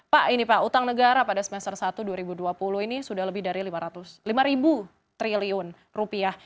pak ini pak utang negara pada semester satu dua ribu dua puluh ini sudah lebih dari lima triliun rupiah